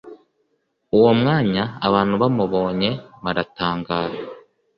uwo mwanya abantu bamubonye baratangara